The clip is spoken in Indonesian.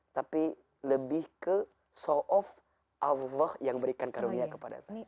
tapi lebih ke so of allah yang berikan karunia kepada saya